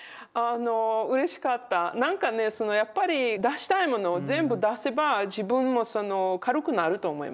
なんかねそのやっぱり出したいものを全部出せば自分も軽くなると思います。